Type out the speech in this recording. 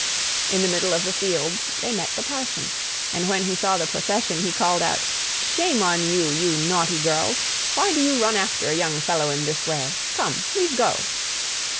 In the middle of the fields they met the parson, and when he saw the procession he called out, "Shame on you, you naughty girls, why do you run after a young fellow in this way? Come, leave go!"